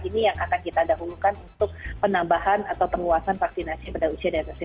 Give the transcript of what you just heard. ini yang akan kita dahulukan untuk penambahan atau penguasaan vaksinasi